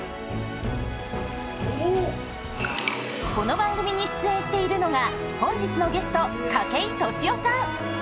この番組に出演しているのが本日のゲスト筧利夫さん！